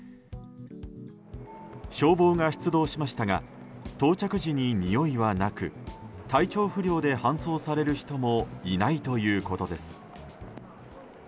消防が出動しましたが到着時に、においはなく体調不良で搬送される人もいないということです。